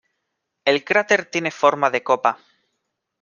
El cráter tiene forma de copa.